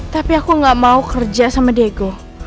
tapi aku gak mau kerja sama diego